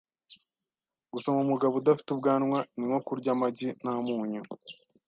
Gusoma umugabo udafite ubwanwa ni nko kurya amagi nta munyu .